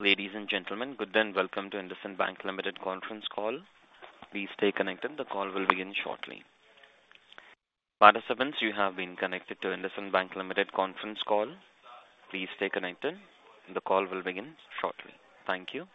Ladies and gentlemen, good day and welcome to IndusInd Bank Limited conference call. Please stay connected. The call will begin shortly. Participants, you have been connected to IndusInd Bank Limited conference call. Please stay connected, and the call will begin shortly. Thank you.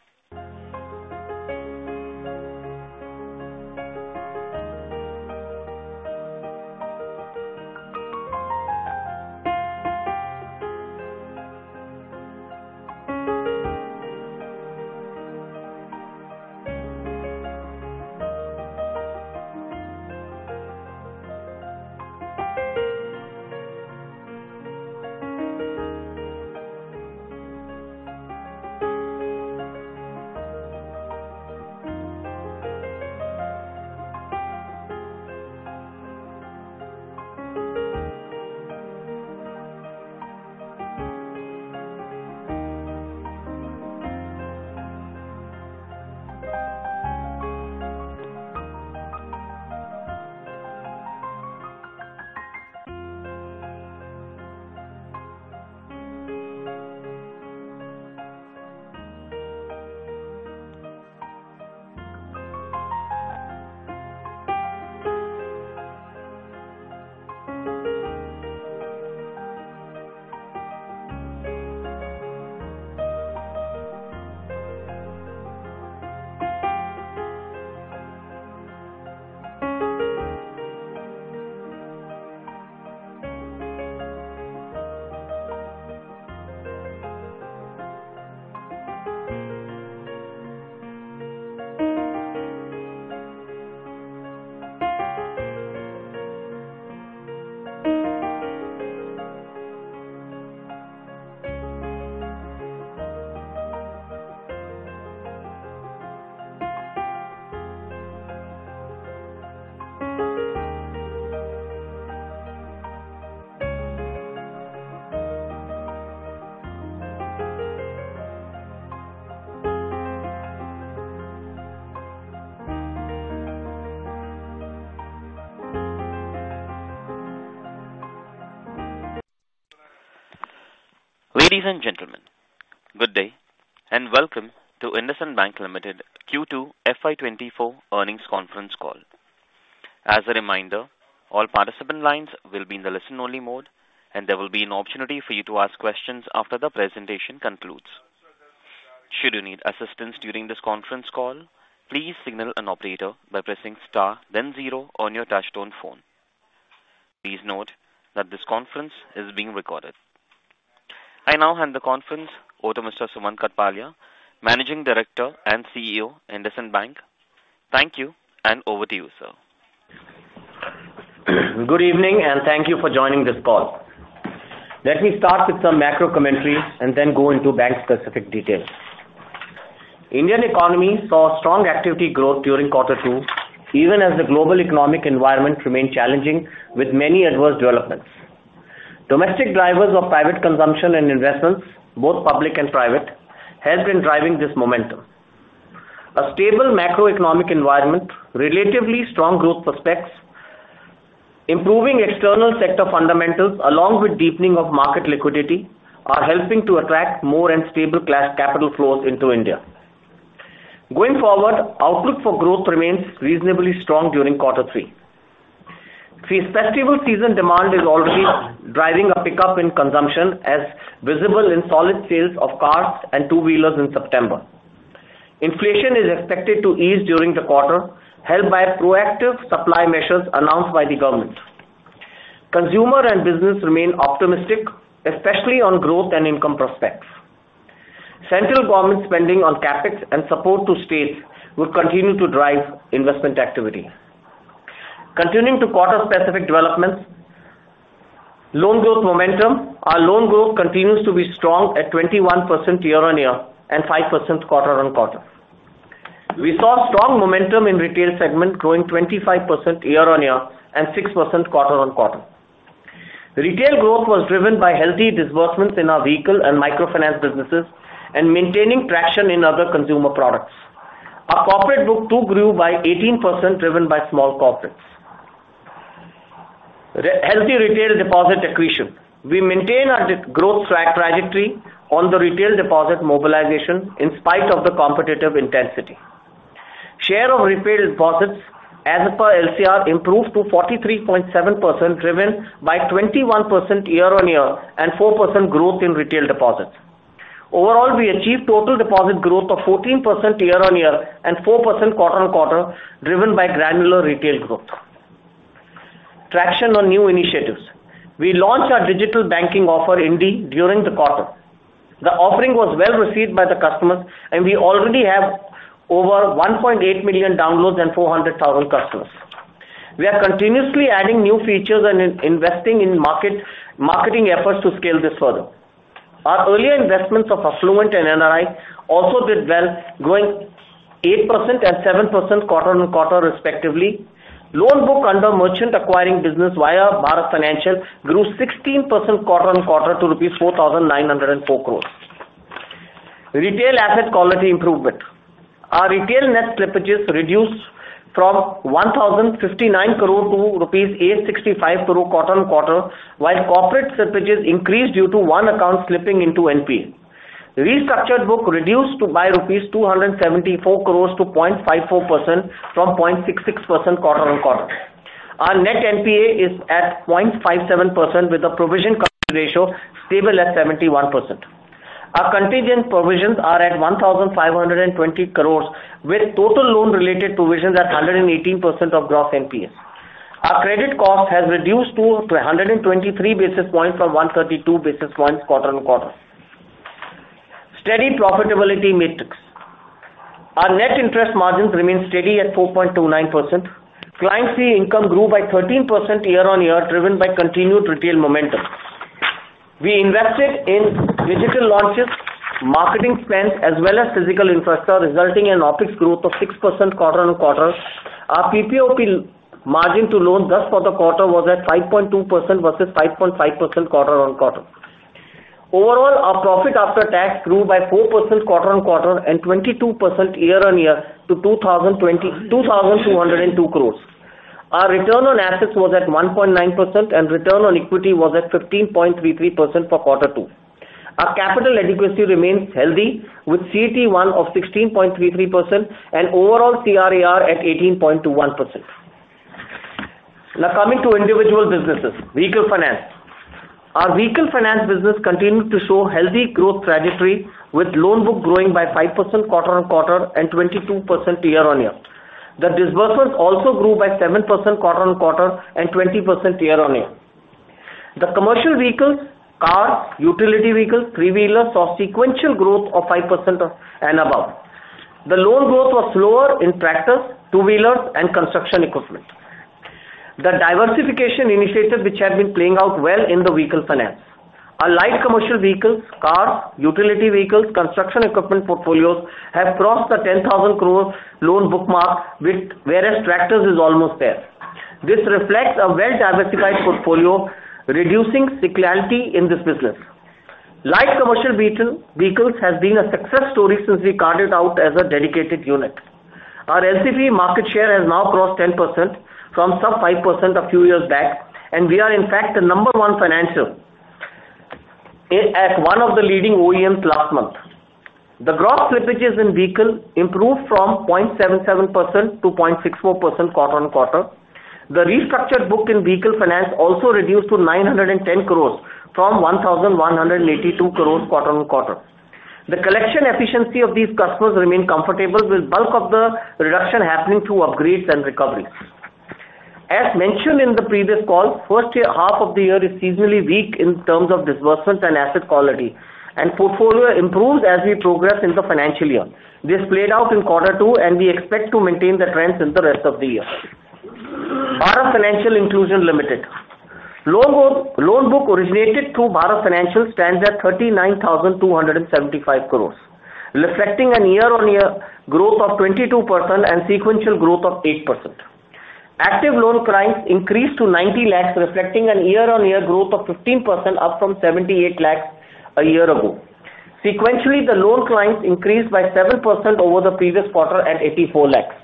Ladies and gentlemen, good day, and welcome to IndusInd Bank Limited Q2 FY 2024 earnings conference call. As a reminder, all participant lines will be in the listen-only mode, and there will be an opportunity for you to ask questions after the presentation concludes. Should you need assistance during this conference call, please signal an operator by pressing star then zero on your touchtone phone. Please note that this conference is being recorded. I now hand the conference over to Mr. Sumant Kathpalia, Managing Director and CEO, IndusInd Bank. Thank you, and over to you, sir. Good evening, and thank you for joining this call. Let me start with some macro commentary and then go into bank-specific details. Indian economy saw strong activity growth during quarter two, even as the global economic environment remained challenging with many adverse developments. Domestic drivers of private consumption and investments, both public and private, have been driving this momentum. A stable macroeconomic environment, relatively strong growth prospects, improving external sector fundamentals, along with deepening of market liquidity, are helping to attract more and stable class capital flows into India. Going forward, outlook for growth remains reasonably strong during quarter three. Festival season demand is already driving a pickup in consumption, as visible in solid sales of cars and two-wheelers in September. Inflation is expected to ease during the quarter, helped by proactive supply measures announced by the government. Consumer and business remain optimistic, especially on growth and income prospects. Central government spending on CapEx and support to states would continue to drive investment activity. Continuing to quarter-specific developments. Loan growth momentum. Our loan growth continues to be strong at 21% year-on-year and 5% quarter-on-quarter. We saw strong momentum in retail segment, growing 25% year-on-year and 6% quarter-on-quarter. Retail growth was driven by healthy disbursements in our vehicle and microfinance businesses and maintaining traction in other consumer products. Our corporate book too grew by 18%, driven by small corporates. Healthy retail deposit accretion. We maintain our growth track trajectory on the retail deposit mobilization in spite of the competitive intensity. Share of retail deposits as per LCR improved to 43.7%, driven by 21% year-on-year and 4% growth in retail deposits. Overall, we achieved total deposit growth of 14% year-on-year and 4% quarter-on-quarter, driven by granular retail growth. Traction on new initiatives. We launched our digital banking offer, INDIE, during the quarter. The offering was well received by the customers, and we already have over 1.8 million downloads and 400,000 customers. We are continuously adding new features and investing in marketing efforts to scale this further. Our earlier investments of affluent and NRI also did well, growing 8% and 7% quarter-on-quarter, respectively. Loan book under merchant acquiring business via Bharat Financial grew 16% quarter-on-quarter to rupees 4,904 crore. Retail asset quality improvement. Our retail net slippages reduced from 1,059 crore to rupees 865 crore quarter-on-quarter, while corporate slippages increased due to one account slipping into NPA. Restructured book reduced by rupees 274 crore to 0.54% from 0.66% quarter-on-quarter. Our net NPA is at 0.57%, with a provision coverage ratio stable at 71%. Our contingent provisions are at 1,520 crore, with total loan-related provisions at 118% of gross NPAs. Our credit cost has reduced to 123 basis points from 132 basis points quarter-on-quarter. Steady profitability metrics. Our net interest margins remain steady at 4.29%. Client fee income grew by 13% year-on-year, driven by continued retail momentum. We invested in digital launches, marketing spends, as well as physical infrastructure, resulting in OpEx growth of 6% quarter-on-quarter. Our PPOP margin to loans just for the quarter was at 5.2% versus 5.5% quarter-on-quarter. Overall, our profit after tax grew by 4% quarter-on-quarter and 22% year-on-year to 2,022 crore. Our return on assets was at 1.9%, and return on equity was at 15.33% for quarter two. Our capital adequacy remains healthy, with CET1 of 16.33% and overall CRAR at 18.21%. Now, coming to individual businesses. Vehicle finance. Our vehicle finance business continued to show healthy growth trajectory, with loan book growing by 5% quarter-on-quarter and 22% year-on-year. The disbursements also grew by 7% quarter-on-quarter and 20% year-on-year. The commercial vehicles, cars, utility vehicles, three-wheelers, saw sequential growth of 5% and above. The loan growth was slower in tractors, two-wheelers, and construction equipment. The diversification initiative, which has been playing out well in the vehicle finance. Our light commercial vehicles, cars, utility vehicles, construction equipment portfolios have crossed the 10,000 crore loan book mark, whereas tractors is almost there. This reflects a well-diversified portfolio, reducing cyclicality in this business. Light commercial vehicles has been a success story since we carved it out as a dedicated unit. Our LCV market share has now crossed 10% from sub 5% a few years back, and we are, in fact, the number one financial at one of the leading OEMs last month. The gross slippages in vehicle improved from 0.77% to 0.64% quarter-on-quarter. The restructured book in vehicle finance also reduced to 910 crore from 1,182 crore quarter-on-quarter. The collection efficiency of these customers remain comfortable, with bulk of the reduction happening through upgrades and recoveries. As mentioned in the previous call, first year, half of the year is seasonally weak in terms of disbursements and asset quality, and portfolio improves as we progress in the financial year. This played out in quarter two, and we expect to maintain the trends in the rest of the year. Bharat Financial Inclusion Limited. Loan book, loan book originated through Bharat Financial stands at 39,275 crore, reflecting a year-on-year growth of 22% and sequential growth of 8%. Active loan clients increased to 90 lakhs, reflecting a year-on-year growth of 15%, up from 78 lakhs a year ago. Sequentially, the loan clients increased by 7% over the previous quarter at 84 lakhs.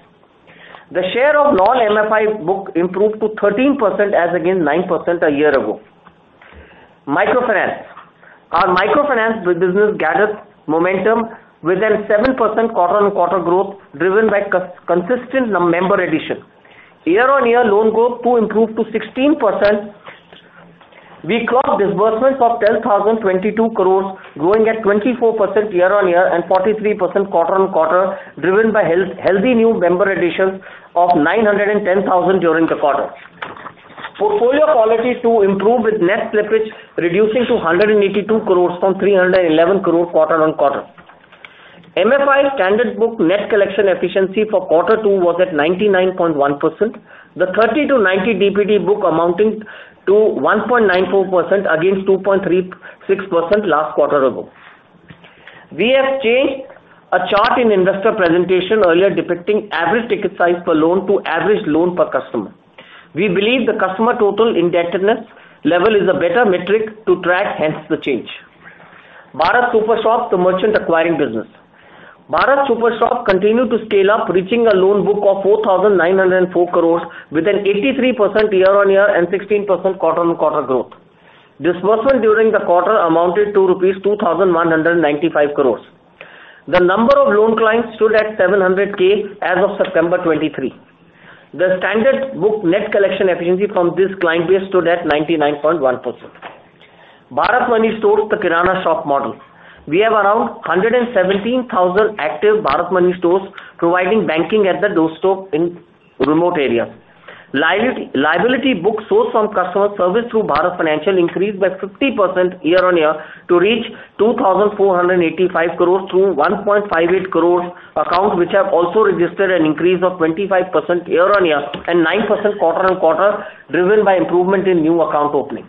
The share of non-MFI book improved to 13%, as against 9% a year ago. Microfinance. Our microfinance business gathered momentum with a 7% quarter-on-quarter growth, driven by consistent member addition. Year-on-year loan growth too improved to 16%. We crossed disbursements of 10,022 crore, growing at 24% year-on-year and 43% quarter-on-quarter, driven by healthy new member additions of 910,000 during the quarter. Portfolio quality too improved, with net slippage reducing to 182 crore from 311 crore quarter-on-quarter. MFI standard book net collection efficiency for quarter two was at 99.1%. The 30-90 DPD book amounting to 1.94%, against 2.36% last quarter ago. We have changed a chart in investor presentation earlier depicting average ticket size per loan to average loan per customer. We believe the customer total indebtedness level is a better metric to track, hence the change. Bharat Super Shop, the merchant acquiring business. Bharat Super Shop continued to scale up, reaching a loan book of 4,904 crore, with an 83% year-on-year and 16% quarter-on-quarter growth. Disbursement during the quarter amounted to 2,195 crore rupees. The number of loan clients stood at 700K as of September 2023. The standard book net collection efficiency from this client base stood at 99.1%. Bharat Money Stores, the Kirana Shop model. We have around 117,000 active Bharat Money Stores providing banking at the doorstep in remote areas. Liability book sourced from customer service through Bharat Financial increased by 50% year-on-year to reach 2,485 crore, through 1.58 crore accounts, which have also registered an increase of 25% year-on-year and 9% quarter-on-quarter, driven by improvement in new account opening.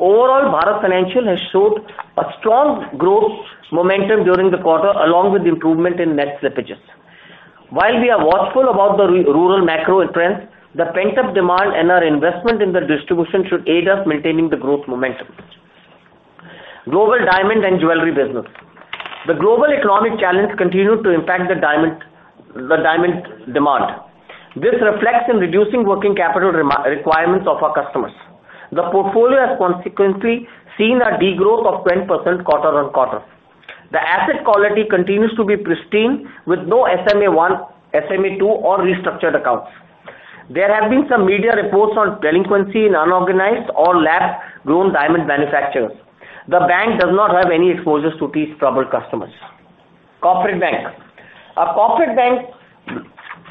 Overall, Bharat Financial has showed a strong growth momentum during the quarter, along with improvement in net slippages. While we are watchful about the rural macro trends, the pent-up demand and our investment in the distribution should aid us maintaining the growth momentum. Global diamond and jewelry business. The global economic challenge continued to impact the diamond, the diamond demand. This reflects in reducing working capital requirements of our customers. The portfolio has consequently seen a degrowth of 10% quarter-on-quarter. The asset quality continues to be pristine, with no SMA-1, SMA-2 or restructured accounts. There have been some media reports on delinquency in unorganized or lab-grown diamond manufacturers. The bank does not have any exposures to these troubled customers. Corporate bank.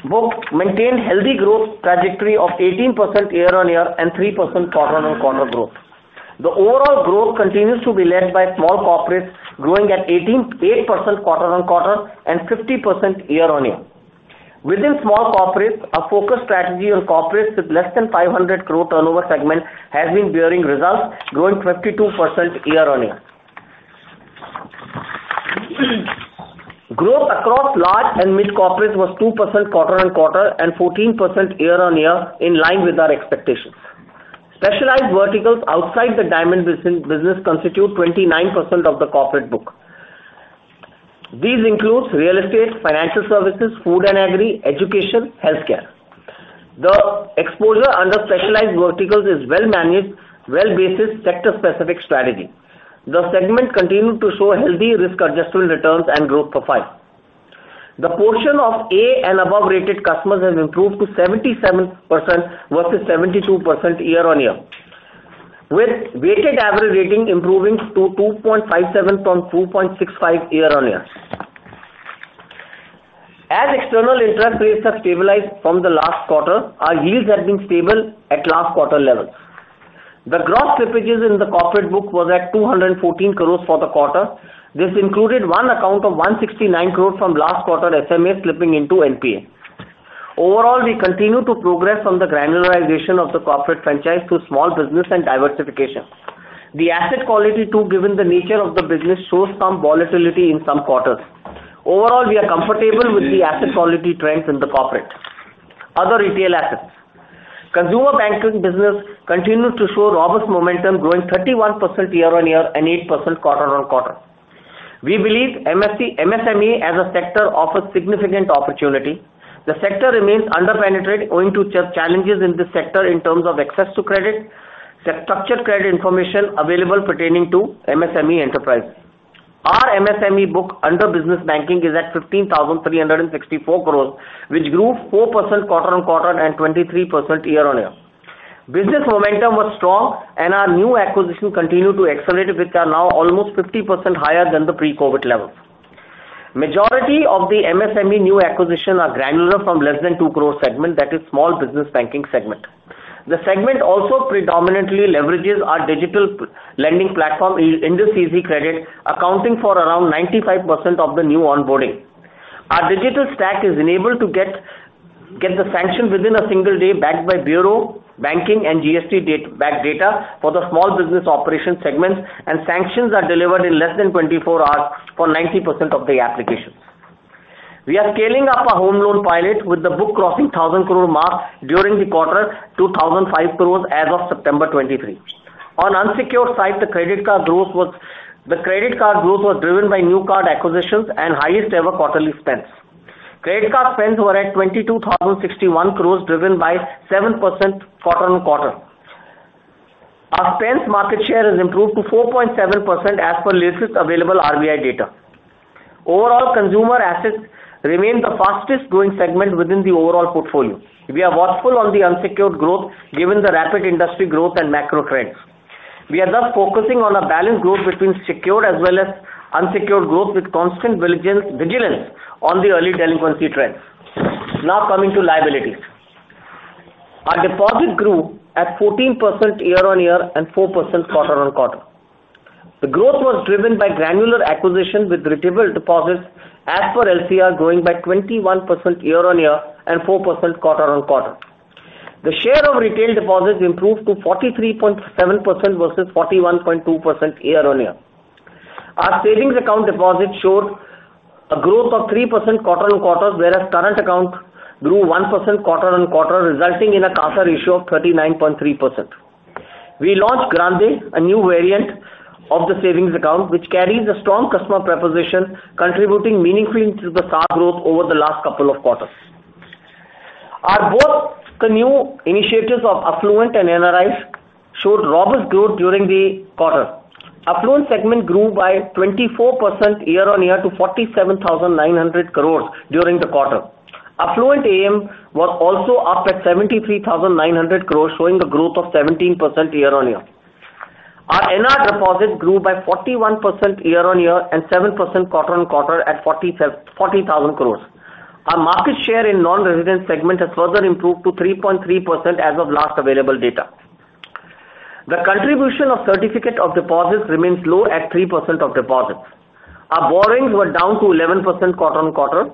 Our corporate bank book maintained healthy growth trajectory of 18% year-on-year and 3% quarter-on-quarter growth. The overall growth continues to be led by small corporates, growing at eight percent quarter-on-quarter and 50% year-on-year. Within small corporates, our focus strategy on corporates with less than 500 crore turnover segment has been bearing results, growing 52% year-on-year. Growth across large and mid corporates was 2% quarter-on-quarter and 14% year-on-year, in line with our expectations. Specialized verticals outside the diamond business constitute 29% of the corporate book. These include real estate, financial services, food and agri, education, healthcare. The exposure under specialized verticals is well managed, well-based sector-specific strategy. The segment continued to show healthy risk-adjusted returns and growth profile. The portion of A and above-rated customers has improved to 77%, versus 72% year-on-year, with weighted average rating improving to 2.57 from 2.65 year-on-year. As external interest rates have stabilized from the last quarter, our yields have been stable at last quarter levels. The gross slippages in the corporate book were at 214 crore for the quarter. This included one account of 169 crore from last quarter SMA slipping into NPA. Overall, we continue to progress on the granularization of the corporate franchise to small business and diversification. The asset quality, too, given the nature of the business, shows some volatility in some quarters. Overall, we are comfortable with the asset quality trends in the corporate other retail assets. Consumer banking business continued to show robust momentum, growing 31% year-on-year and 8% quarter-on-quarter. We believe MSME, as a sector, offers significant opportunity. The sector remains underpenetrated owing to challenges in this sector in terms of access to credit, structured credit information available pertaining to MSME enterprise. Our MSME book under business banking is at 15,364 crore, which grew 4% quarter-on-quarter and 23% year-on-year. Business momentum was strong, and our new acquisitions continue to accelerate, which are now almost 50% higher than the pre-COVID levels. Majority of the MSME new acquisition are granular from less than 2 crore segment, that is small business banking segment. The segment also predominantly leverages our digital personal lending platform, IndusEasy Credit, accounting for around 95% of the new onboarding. Our digital stack is enabled to get the sanction within a single day, backed by bureau, banking, and GST data-backed data for the small business operation segments, and sanctions are delivered in less than 24 hours for 90% of the applications. We are scaling up our home loan pilot, with the book crossing 1,000 crore mark during the quarter to 1,005 crores as of September 2023. On unsecured side, the credit card growth was the credit card growth was driven by new card acquisitions and highest-ever quarterly spends. Credit card spends were at 22,061 crores, driven by 7% quarter-on-quarter. Our spends market share has improved to 4.7%, as per latest available RBI data. Overall, consumer assets remain the fastest-growing segment within the overall portfolio. We are watchful on the unsecured growth, given the rapid industry growth and macro trends. We are thus focusing on a balanced growth between secured as well as unsecured growth, with constant vigilance on the early delinquency trends. Now, coming to liabilities. Our deposits grew at 14% year-on-year and 4% quarter-on-quarter. The growth was driven by granular acquisition, with retail deposits as per LCR, growing by 21% year-on-year and 4% quarter-on-quarter. The share of retail deposits improved to 43.7% versus 41.2% year-on-year. Our savings account deposits showed a growth of 3% quarter-on-quarter, whereas current account grew 1% quarter-on-quarter, resulting in a CASA ratio of 39.3%. We launched Grande, a new variant of the savings account, which carries a strong customer proposition, contributing meaningfully to the CASA growth over the last couple of quarters. Our both the new initiatives of affluent and NRIs showed robust growth during the quarter. affluent segment grew by 24% year-on-year to 47,900 crore during the quarter. affluent AUM was also up at 73,900 crore, showing a growth of 17% year-on-year. Our NRI deposits grew by 41% year-on-year and 7% quarter-on-quarter at 40,000 crore. Our market share in non-resident segment has further improved to 3.3% as of last available data. The contribution of certificates of deposit remains low at 3% of deposits. Our borrowings were down to 11% quarter-on-quarter.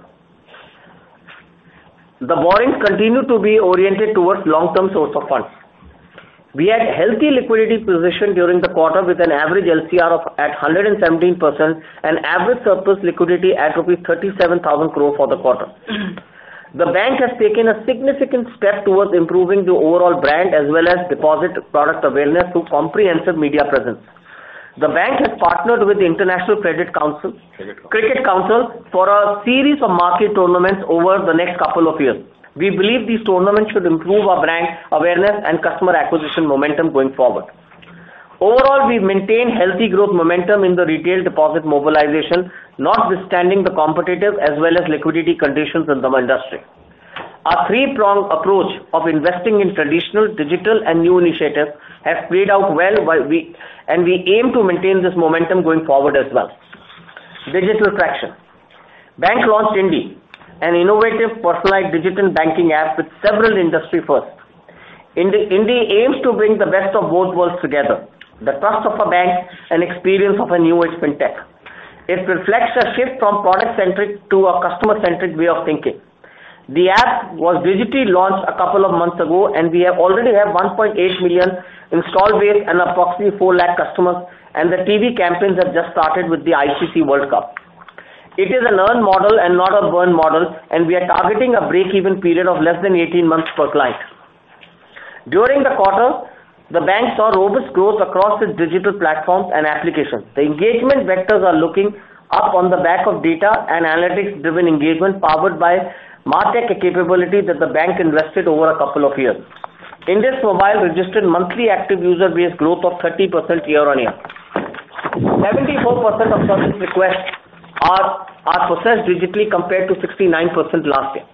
The borrowings continue to be oriented towards long-term source of funds. We had healthy liquidity position during the quarter, with an average LCR of 117% and average surplus liquidity at rupees 37,000 crore for the quarter. The bank has taken a significant step towards improving the overall brand, as well as deposit product awareness through comprehensive media presence. The bank has partnered with the International Cricket Council for a series of marketing tournaments over the next couple of years. We believe these tournaments should improve our brand awareness and customer acquisition momentum going forward. Overall, we've maintained healthy growth momentum in the retail deposit mobilization, notwithstanding the competitive as well as liquidity conditions in the industry. Our three-pronged approach of investing in traditional, digital, and new initiatives has played out well, and we aim to maintain this momentum going forward as well. Digital traction. Bank launched INDIE, an innovative personalized digital banking app with several industry firsts. INDIE aims to bring the best of both worlds together, the trust of a bank and experience of a newest fintech. It reflects a shift from product-centric to a customer-centric way of thinking. The app was digitally launched a couple of months ago, and we already have 1.8 million install base and approximately 400,000 customers, and the TV campaigns have just started with the ICC World Cup. It is an earn model and not a burn model, and we are targeting a break-even period of less than 18 months per client. During the quarter, the bank saw robust growth across its digital platforms and applications. The engagement vectors are looking up on the back of data and analytics-driven engagement, powered by MarTech capability that the bank invested over a couple of years. IndusMobile registered monthly active user base growth of 30% year-on-year. 74% of customer requests are processed digitally, compared to 69% last year.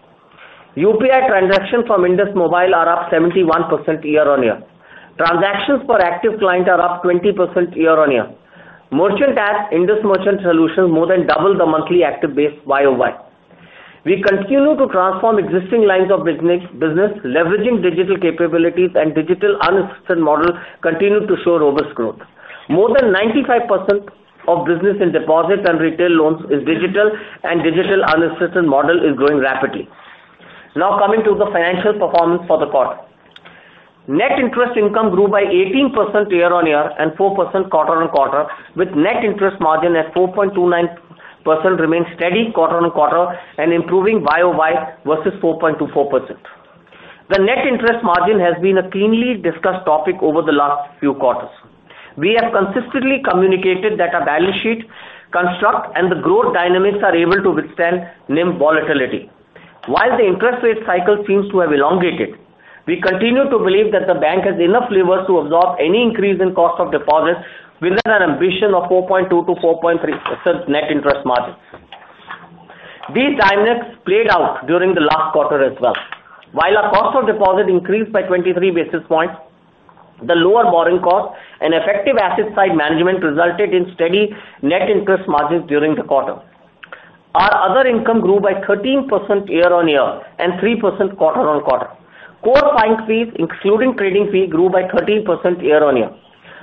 UPI transactions from IndusMobile are up 71% year-on-year. Transactions per active client are up 20% year-on-year. Merchant app, Indus Merchant Solutions, more than doubled the monthly active base Y-o-Y. We continue to transform existing lines of business leveraging digital capabilities, and digital unassisted models continue to show robust growth. More than 95% of business in deposits and retail loans is digital, and digital unassisted model is growing rapidly. Now, coming to the financial performance for the quarter. Net interest income grew by 18% year-on-year and 4% quarter-on-quarter, with net interest margin at 4.29% remains steady quarter-on-quarter and improving Y-o-Y versus 4.24%. The net interest margin has been a keenly discussed topic over the last few quarters. We have consistently communicated that our balance sheet construct and the growth dynamics are able to withstand NIM volatility. While the interest rate cycle seems to have elongated, we continue to believe that the bank has enough levers to absorb any increase in cost of deposits within an ambition of 4.2%-4.3% net interest margin. These dynamics played out during the last quarter as well. While our cost of deposit increased by 23 basis points, the lower borrowing cost and effective asset side management resulted in steady net interest margins during the quarter. Our other income grew by 13% year-on-year and 3% quarter-on-quarter. Core fee fees, including trading fee, grew by 13% year-on-year.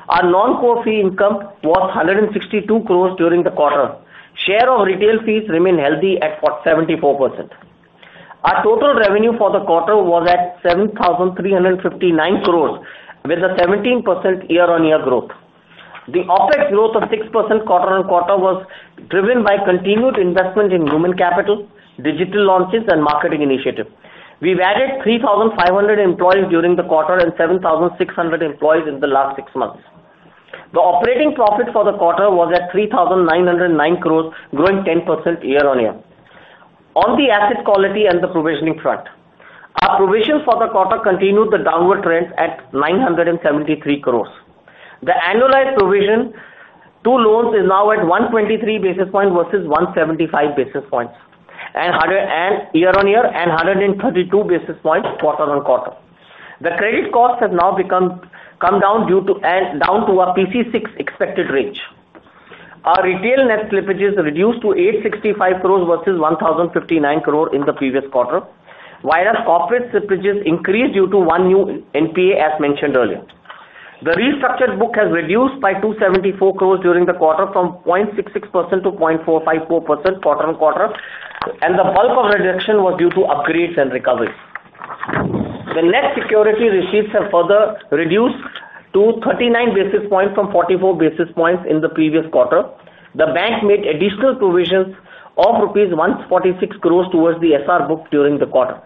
Our non-core fee income was 162 crore during the quarter. Share of retail fees remain healthy at 74%. Our total revenue for the quarter was at 7,359 crore, with a 17% year-on-year growth. The OpEx growth of 6% quarter-on-quarter was driven by continued investment in human capital, digital launches, and marketing initiatives. We've added 3,500 employees during the quarter and 7,600 employees in the last six months. The operating profit for the quarter was at 3,909 crore, growing 10% year-on-year. On the asset quality and the provisioning front, our provision for the quarter continued the downward trend at 973 crore. The annualized provision to loans is now at 123 basis points versus 175 basis points, and 100 basis points year-on-year and 132 basis points quarter-on-quarter. The credit costs have now come down to our PC6 expected range. Our retail net slippages reduced to 865 crore versus 1,059 crore in the previous quarter, whereas off-book slippages increased due to one new NPA, as mentioned earlier. The restructured book has reduced by 274 crore during the quarter, from 0.66% to 0.454% quarter-on-quarter, and the bulk of reduction was due to upgrades and recoveries. The net security receipts have further reduced to 39 basis points from 44 basis points in the previous quarter. The bank made additional provisions of rupees 146 crore towards the SR book during the quarter.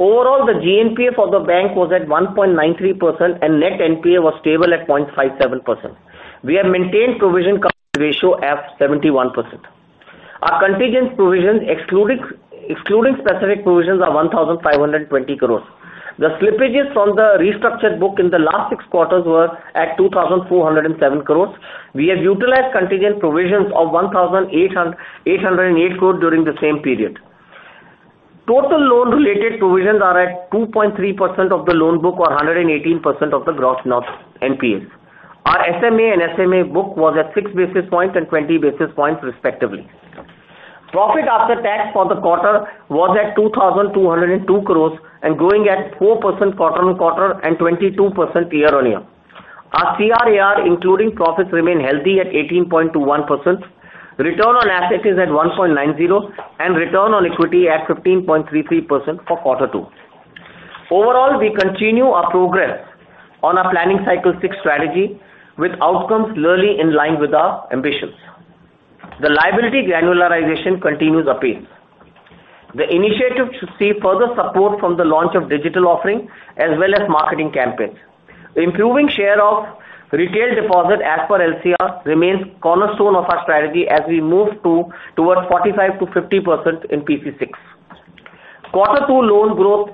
Overall, the GNPA for the bank was at 1.93%, and net NPA was stable at 0.57%. We have maintained provision cover ratio at 71%. Our contingent provision, excluding specific provisions, are 1,520 crore. The slippages from the restructured book in the last six quarters were at 2,407 crore. We have utilized contingent provisions of 1,808 crore during the same period. Total loan-related provisions are at 2.3% of the loan book or 118% of the gross NPAs. Our SMA and SMA book was at six basis points and 20 basis points, respectively. Profit after tax for the quarter was at 2,202 crore and growing at 4% quarter-on-quarter and 22% year-on-year. Our CRAR, including profits, remain healthy at 18.21%. Return on assets is at 1.90, and return on equity at 15.33% for quarter two. Overall, we continue our progress on our planning cycle six strategy, with outcomes largely in line with our ambitions. The liability granularization continues apace. The initiative should see further support from the launch of digital offering as well as marketing campaigns. Improving share of retail deposit as per LCR remains cornerstone of our strategy as we move towards 45%-50% in PC six. Quarter two loan growth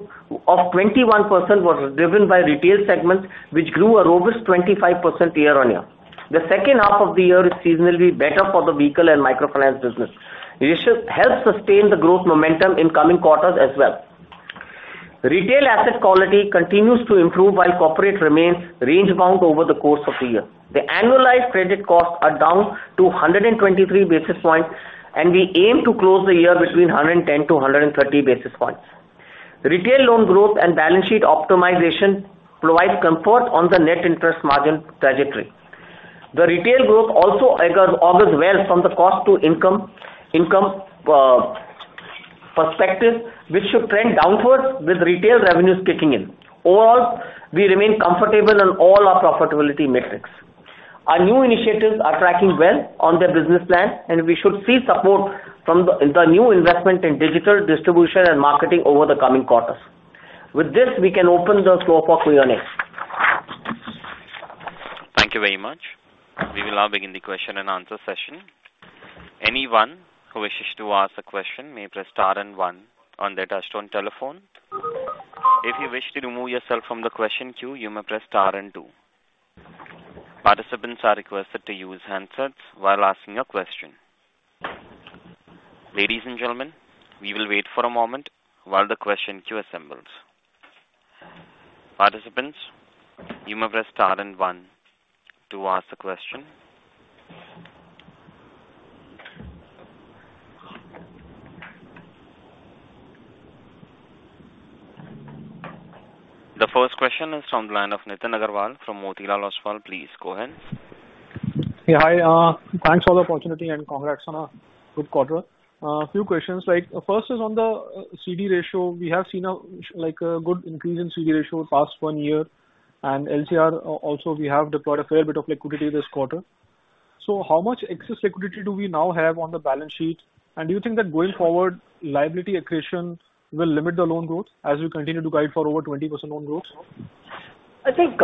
of 21% was driven by retail segment, which grew a robust 25% year-on-year. The second half of the year is seasonally better for the vehicle and microfinance business. It should help sustain the growth momentum in coming quarters as well. Retail asset quality continues to improve, while corporate remains range bound over the course of the year. The annualized credit costs are down to 123 basis points, and we aim to close the year between 110-130 basis points. Retail loan growth and balance sheet optimization provides comfort on the net interest margin trajectory. The retail growth also augurs well from the cost to income perspective, which should trend downwards with retail revenues kicking in. Overall, we remain comfortable on all our profitability metrics. Our new initiatives are tracking well on their business plan, and we should see support from the new investment in digital distribution and marketing over the coming quarters. With this, we can open the floor for Q&A. Thank you very much. We will now begin the question and answer session. Anyone who wishes to ask a question may press star and one on their touchtone telephone. If you wish to remove yourself from the question queue, you may press star and two. Participants are requested to use handsets while asking a question. Ladies and gentlemen, we will wait for a moment while the question queue assembles. Participants, you may press star and one to ask a question. The first question is from the line of Nitin Aggarwal from Motilal Oswal. Please go ahead. Yeah, hi, thanks for the opportunity and congrats on a good quarter. A few questions, like, first is on the CD ratio. We have seen a, like, a good increase in CD ratio past one year, and LCR, also, we have deployed a fair bit of liquidity this quarter. So how much excess liquidity do we now have on the balance sheet? And do you think that going forward, liability accretion will limit the loan growth as we continue to guide for over 20% loan growth? I think,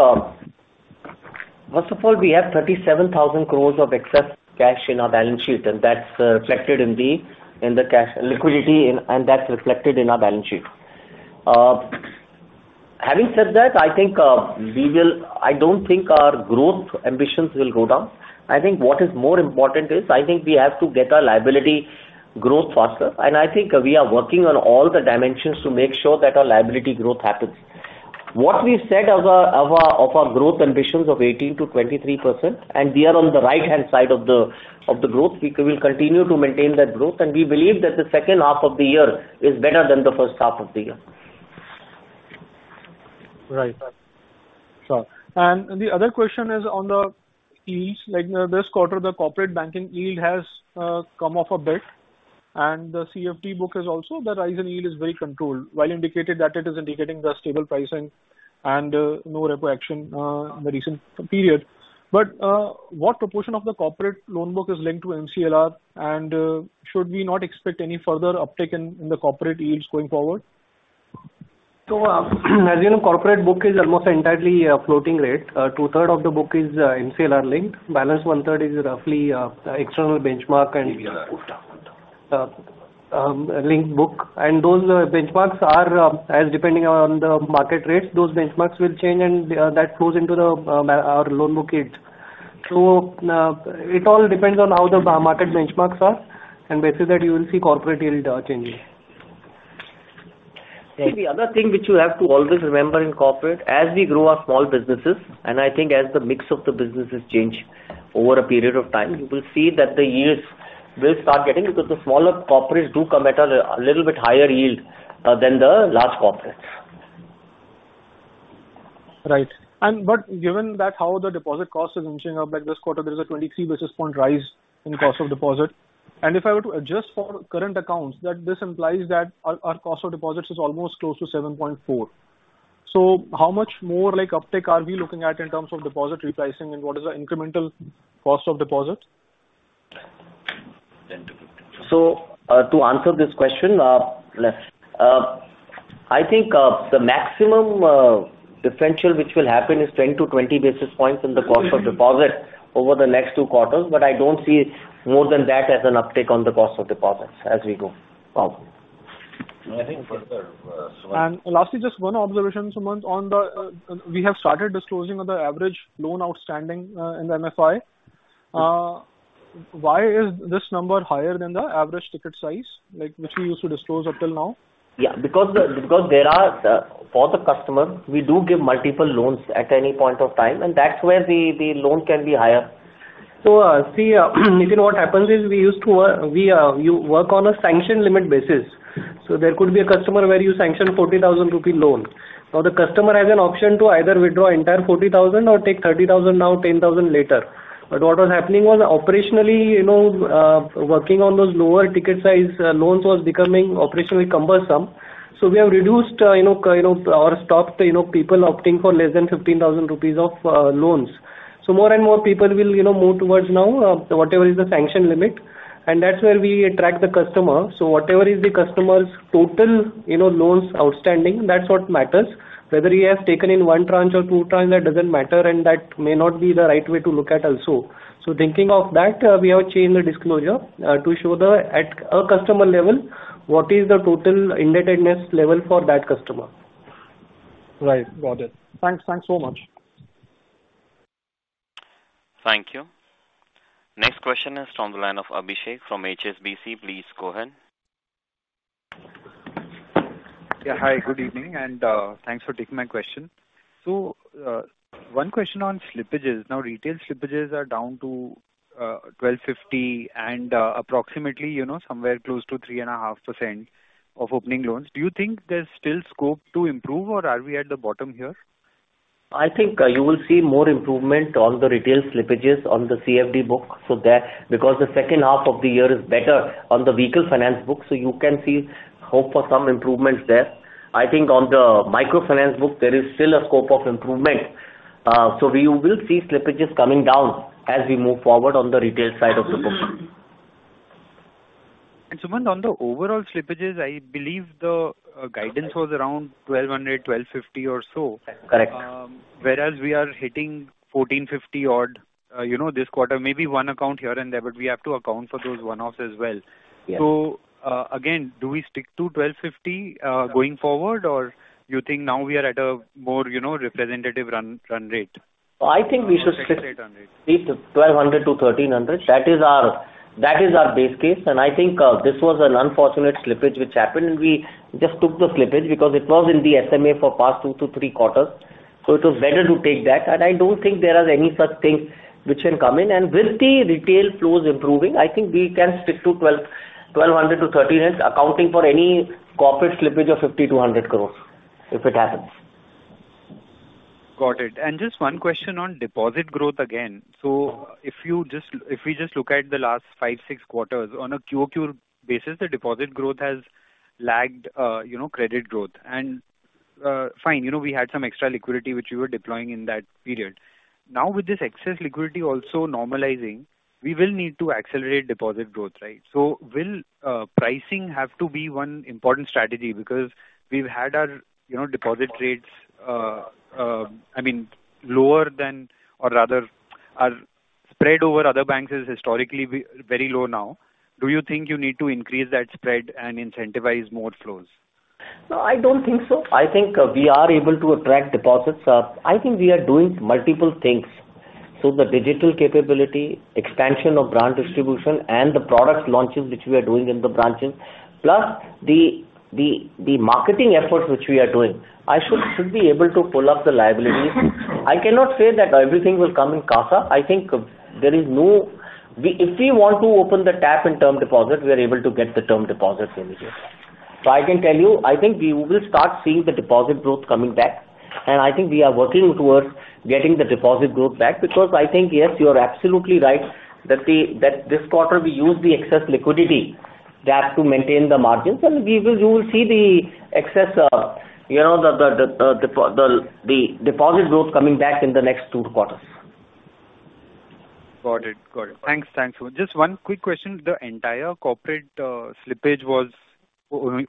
first of all, we have 37,000 crore of excess cash in our balance sheet, and that's reflected in the, in the cash liquidity and, and that's reflected in our balance sheet. Having said that, I think we will... I don't think our growth ambitions will go down. I think what is more important is, I think we have to get our liability growth faster, and I think we are working on all the dimensions to make sure that our liability growth happens. What we've said of our growth ambitions of 18%-23%, and we are on the right-hand side of the growth. We will continue to maintain that growth, and we believe that the second half of the year is better than the first half of the year. Right. Sure. And the other question is on the yields. Like, this quarter, the corporate banking yield has come off a bit, and the CFT book is also the rise in yield is very controlled, while indicated that it is indicating the stable pricing and no repo action in the recent period. But, what proportion of the corporate loan book is linked to MCLR? And, should we not expect any further uptick in the corporate yields going forward? So, as you know, corporate book is almost entirely floating rate. Two-thirds of the book is MCLR linked. Balance one-third is roughly external benchmark and linked book. And those benchmarks are, as depending on the market rates, those benchmarks will change, and that flows into our loan book yields. So, it all depends on how the market benchmarks are, and based on that, you will see corporate yield changing. The other thing which you have to always remember in corporate, as we grow our small businesses, and I think as the mix of the businesses change over a period of time, you will see that the yields will start getting, because the smaller corporates do come at a little bit higher yield than the large corporates. Right. But given that, how the deposit cost is inching up, like this quarter, there is a 23 basis point rise in cost of deposit. And if I were to adjust for current accounts, that this implies that our cost of deposits is almost close to 7.4. So how much more, like, uptick are we looking at in terms of deposit repricing, and what is the incremental cost of deposit? So, to answer this question, let's I think, the maximum differential which will happen is 10-20 basis points in the cost of deposit over the next two quarters, but I don't see more than that as an uptick on the cost of deposits as we go. I think further... And lastly, just one observation, Sumant, on the, we have started disclosing on the average loan outstanding in the MFI. Why is this number higher than the average ticket size, like, which we used to disclose up till now? Yeah, because there are, for the customer, we do give multiple loans at any point of time, and that's where the loan can be higher. So, see, Nitan, what happens is, we used to, you work on a sanction limit basis. So there could be a customer where you sanction 40,000 rupee loan. Now, the customer has an option to either withdraw entire 40,000 or take 30,000 now, 10,000 later. But what was happening was operationally, you know, working on those lower ticket size loans was becoming operationally cumbersome. So we have reduced, you know, you know, our stock, you know, people opting for less than 15,000 rupees of loans. So more and more people will, you know, move towards now, whatever is the sanction limit, and that's where we attract the customer. So whatever is the customer's total, you know, loans outstanding, that's what matters. Whether he has taken in one tranche or two tranche, that doesn't matter, and that may not be the right way to look at also. So thinking of that, we have changed the disclosure, to show the at a customer level, what is the total indebtedness level for that customer. Right. Got it. Thanks. Thanks so much. Thank you. Next question is from the line of Abhishek from HSBC. Please go ahead. Yeah. Hi, good evening, and thanks for taking my question. So, one question on slippages. Now, retail slippages are down to 1,250 and approximately, you know, somewhere close to 3.5% of opening loans. Do you think there's still scope to improve, or are we at the bottom here? I think you will see more improvement on the retail slippages on the CFD book, so that because the second half of the year is better on the vehicle finance book, so you can see hope for some improvements there. I think on the microfinance book, there is still a scope of improvement. So we will see slippages coming down as we move forward on the retail side of the book. Sumant, on the overall slippages, I believe the guidance was around 1,200-1,250 crore or so. Correct. Whereas we are hitting 1,450 odd, you know, this quarter, maybe one account here and there, but we have to account for those one-offs as well. Yes. Again, do we stick to 1,250 going forward, or you think now we are at a more, you know, representative run rate? I think we should stick- Rate on it. 1,200-1,300 crore. That is our, that is our base case, and I think, this was an unfortunate slippage which happened, and we just took the slippage because it was in the SMA for past two to three quarters. So it was better to take that, and I don't think there are any such things which can come in. And with the retail flows improving, I think we can stick 1,200-1,300 crore, accounting for any corporate slippage of 50 crore-100 crore, if it happens. Got it. And just one question on deposit growth again. So if you just, if we just look at the last five to six quarters, on a QoQ basis, the deposit growth has lagged, you know, credit growth. And fine, you know, we had some extra liquidity, which you were deploying in that period. Now, with this excess liquidity also normalizing, we will need to accelerate deposit growth, right? So will pricing have to be one important strategy? Because we've had our, you know, deposit rates, I mean, lower than, or rather, our spread over other banks is historically very low now. Do you think you need to increase that spread and incentivize more flows? No, I don't think so. I think we are able to attract deposits. I think we are doing multiple things. So the digital capability, expansion of branch distribution, and the product launches, which we are doing in the branches, plus the marketing efforts, which we are doing, I should be able to pull up the liabilities. I cannot say that everything will come in CASA. I think there is no... If we want to open the tap in term deposits, we are able to get the term deposits in here. So, I can tell you, I think we will start seeing the deposit growth coming back, and I think we are atowards getting the deposit growth back, because I think, yes, you are absolutely right, that this quarter we use the excess liquidity that to maintain the margins, and we will, you will see the excess, the deposit growth coming back in the next two quarters. Got it. Got it. Thanks. Thanks. Just one quick question: The entire corporate slippage was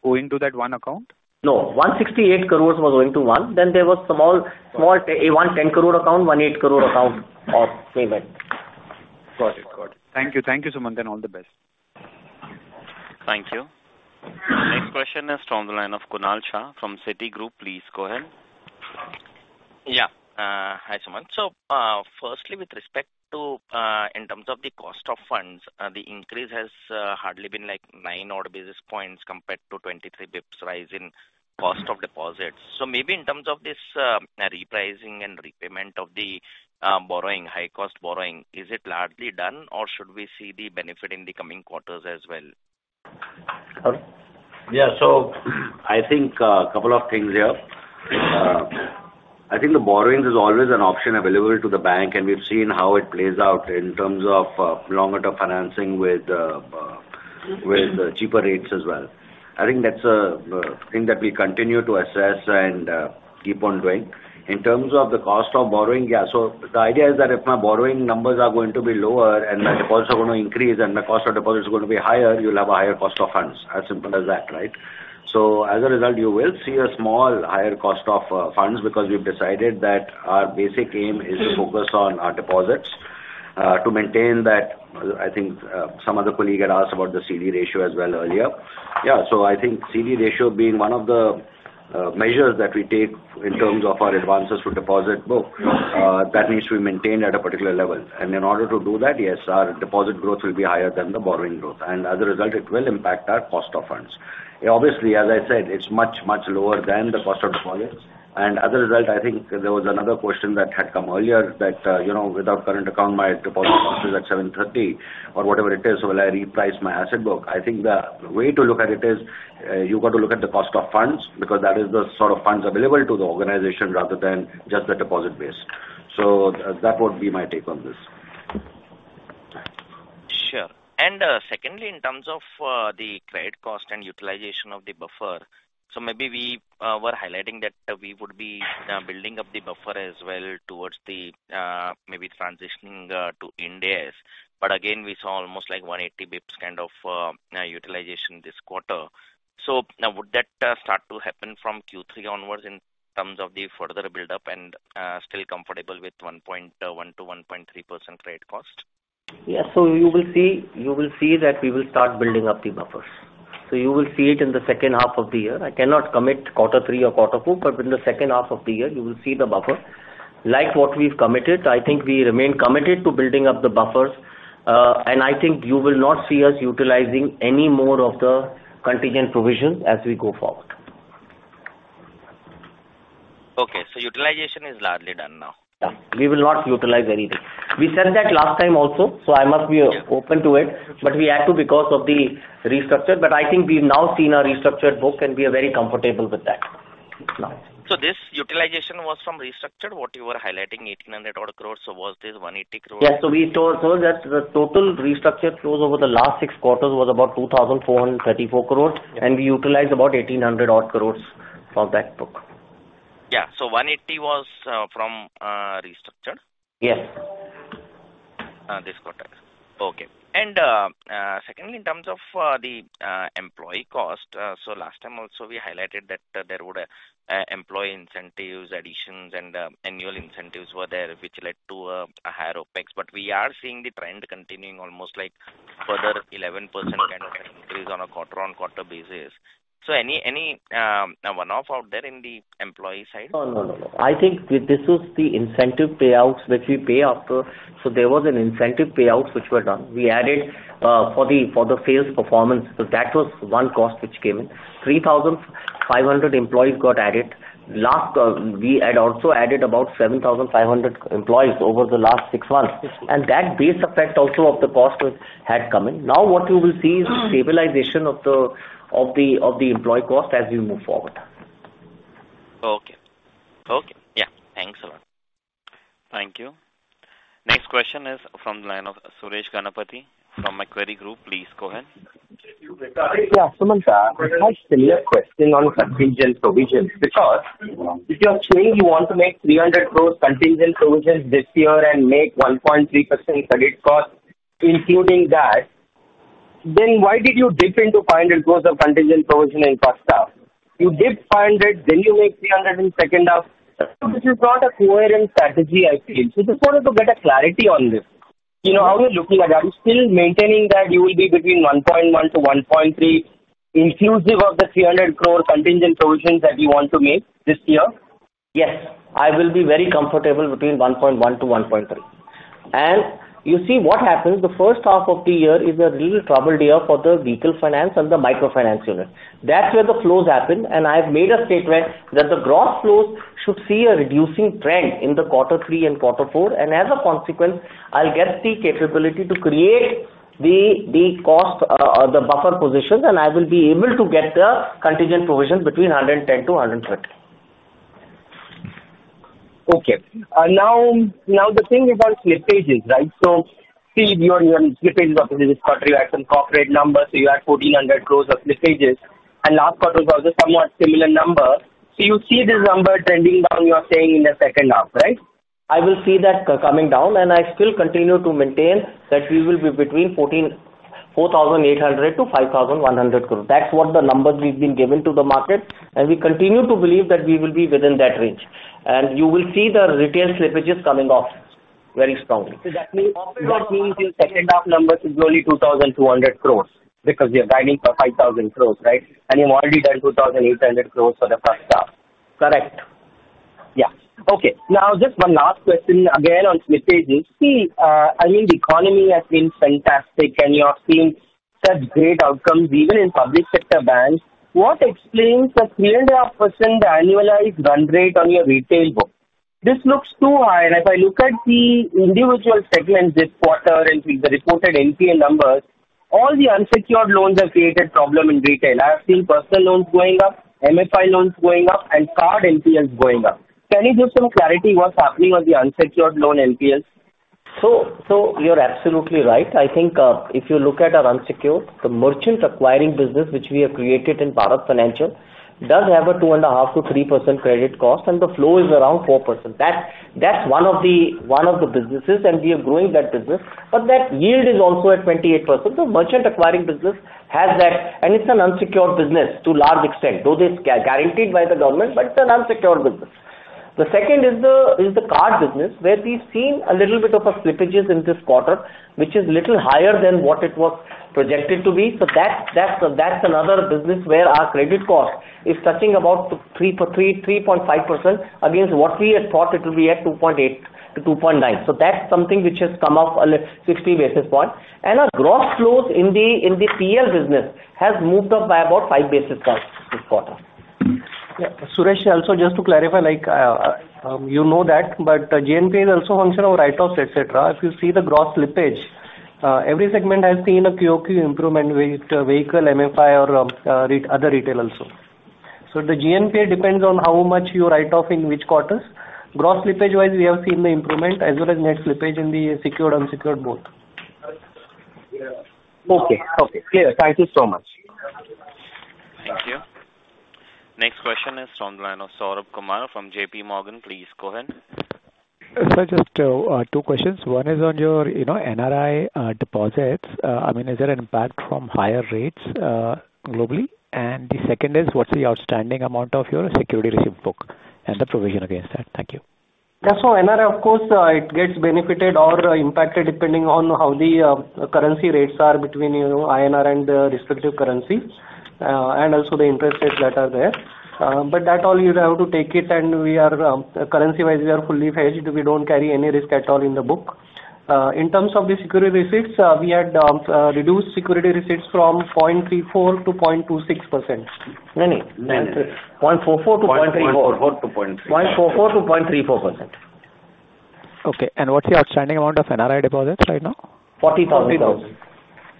owing to that one account? No, 168 crore was owing to one. Then there was small, small, 110 crore account, 18 crore account of payment. Got it. Got it. Thank you. Thank you, Sumant, and all the best. Thank you. Next question is from the line of Kunal Shah from Citigroup. Please go ahead. Yeah. Hi, Sumant. So, firstly, with respect to, in terms of the cost of funds, the increase has hardly been like nine odd basis points compared to 23 basis points rise in cost of deposits. So maybe in terms of this, repricing and repayment of the, borrowing, high cost borrowing, is it largely done, or should we see the benefit in the coming quarters as well? Yeah. So I think a couple of things here. I think the borrowings is always an option available to the bank, and we've seen how it plays out in terms of, longer-term financing with cheaper rates as well. I think that's a thing that we continue to assess and keep on doing. In terms of the cost of borrowing, yeah, so the idea is that if my borrowing numbers are going to be lower and my deposits are going to increase and my cost of deposit is going to be higher, you'll have a higher cost of funds. As simple as that, right? So as a result, you will see a small higher cost of funds, because we've decided that our basic aim is to focus on our deposits. To maintain that, I think, some other colleague had asked about the CD ratio as well earlier. Yeah, so I think CD ratio being one of the, measures that we take in terms of our advances to deposit book, that needs to be maintained at a particular level. And in order to do that, yes, our deposit growth will be higher than the borrowing growth, and as a result, it will impact our cost of funds. Obviously, as I said, it's much, much lower than the cost of deposits. And as a result, I think there was another question that had come earlier that, you know, without current account, my deposit cost is at 7.3% or whatever it is, will I reprice my asset book? I think the way to look at it is, you got to look at the cost of funds, because that is the sort of funds available to the organization rather than just the deposit base. So that would be my take on this. Sure. And secondly, in terms of the credit cost and utilization of the buffer, so maybe we were highlighting that we would be building up the buffer as well towards the maybe transitioning to IND-AS. But again, we saw almost like 180 crores pointsure kind of utilization this quarter. So now would that start to happen from Q3 onwards in terms of the further build-up and still comfortable with 1.1%-1.3% credit cost? Yeah. So you will see, you will see that we will start building up the buffers. So you will see it in the second half of the year. I cannot commit quarter three or quarter four, but in the second half of the year, you will see the buffer. Like what we've committed, I think we remain committed to building up the buffers, and I think you will not see us utilizing any more of the contingent provisions as we go forward. Okay. So utilization is largely done now? Yeah, we will not utilize anything. We said that last time also, so I must be open to it, but we had to because of the restructure. But I think we've now seen our restructured book, and we are very comfortable with that now. So this utilization was from restructured, what you were highlighting, 1,800-odd crores, so was this 180 crores? Yeah. So we told her that the total restructure flows over the last six quarters was about 2,434 crore, and we utilized about 1,800-odd crore from that book. Yeah. So 180 was from restructured? Yes. This quarter. Okay. Secondly, in terms of the employee cost, so last time also, we highlighted that there would employee incentives, additions, and annual incentives were there, which led to a higher OpEx. But we are seeing the trend continuing almost like further 11% kind of an increase on a quarter-on-quarter basis. So any one-off out there in the employee side? No, no, no, no. I think this is the incentive payouts which we pay after. So there was an incentive payouts which were done. We added, for the sales performance. So that was one cost which came in. 3,500 employees got added. Last, we had also added about 7,500 employees over the last six months, and that base effect also of the cost was had come in. Now, what you will see is stabilization of the employee cost as we move forward. Okay. Okay. Yeah. Thanks a lot. Thank you. Next question is from the line of Suresh Ganapathy from Macquarie Group. Please go ahead. Yeah, Sumant, I have a similar question on contingent provisions, because if you are saying you want to make 300 crore contingent provisions this year and make 1.3% credit cost, including that, then why did you dip into 500 crore of contingent provision in first half? You did 500, then you make 300 in second half. This is not a coherent strategy, I feel. So just wanted to get a clarity on this. You know, how are you looking at? Are you still maintaining that you will be between 1.1%-1.3%, inclusive of the 300 crore contingent provisions that you want to make this year? Yes, I will be very comfortable between 1.1 to 1.3. And you see what happens, the first half of the year is a real troubled year for the vehicle finance and the microfinance unit. That's where the flows happen, and I've made a statement that the gross flows should see a reducing trend in the quarter three and quarter four. And as a consequence, I'll get the capability to create the, the cost, the buffer positions, and I will be able to get the contingent provisions between 110 to 150. Okay. Now, now the thing about slippages, right? So see, your, your slippages of this quarter, you had some corporate numbers, so you had 1,400 crore of slippages, and last quarter was a somewhat similar number. So you see this number trending down, you are saying, in the second half, right? I will see that coming down, and I still continue to maintain that we will be between 14,400 crore-15,100 crore. That's what the numbers we've been given to the market, and we continue to believe that we will be within that range. You will see the retail slippages coming off very strongly. So that means, roughly that means your second half numbers is only 2,200 crore, because you're guiding for 5,000 crore, right? And you've already done 2,800 crore for the first half. Correct. Yeah. Okay. Now, just one last question again on slippages. See, I mean, the economy has been fantastic, and you are seeing such great outcomes even in public sector banks. What explains the 3.5% annualized run rate on your retail book? This looks too high, and if I look at the individual segments this quarter and the reported NPL numbers, all the unsecured loans have created problem in retail. I have seen personal loans going up, MFI loans going up, and card NPLs going up. Can you give some clarity what's happening on the unsecured loan NPLs? So you're absolutely right. I think, if you look at our unsecured, the merchant acquiring business, which we have created in Bharat Financial, does have a 2.5%-3% credit cost, and the flow is around 4%. That's one of the businesses, and we are growing that business, but that yield is also at 28%. The merchant acquiring business has that, and it's an unsecured business to a large extent, though it's guaranteed by the government, but it's an unsecured business. The second is the card business, where we've seen a little bit of a slippages in this quarter, which is little higher than what it was projected to be. So that's another business where our credit cost is touching about 3.3-3.5% against what we had thought it will be at 2.8-2.9%. So that's something which has come up, like 60 basis points. And our gross flows in the PL business has moved up by about 5 basis points this quarter. Yeah, Suresh, also just to clarify, like, you know that, but GNPA also function of write-offs, et cetera. If you see the gross slippage, every segment has seen a QoQ improvement, vehicle, MFI or other retail also. So the GNPA depends on how much you write off in which quarters. Gross slippage-wise, we have seen the improvement as well as net slippage in the secured, unsecured both. Okay. Okay, clear. Thank you so much. Thank you. Next question is from the line of Saurabh Kumar from JPMorgan. Please go ahead. Sir, just, two questions. One is on your, you know, NRI, deposits. I mean, is there an impact from higher rates, globally? And the second is: What's the outstanding amount of your security receipt book and the provision against that? Thank you. Yeah, so NRI, of course, it gets benefited or impacted depending on how the currency rates are between, you know, INR and the respective currency, and also the interest rates that are there. But that all you have to take it, and we are currency-wise, we are fully hedged. We don't carry any risk at all in the book. In terms of the security receipts, we had reduced security receipts from 0.34% to 0.26%. No, no. 0.44%-0.34%. 0.44%-0.34% 0.44%-0.34%. Okay, and what's the outstanding amount of NRI deposits right now? 40,000